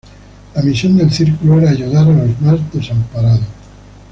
La misión del Círculo era ayudar a los más desamparados.